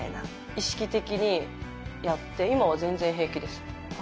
意識的にやって今は全然平気です。